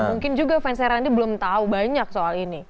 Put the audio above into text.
mungkin juga fans herandi belum tahu banyak soal ini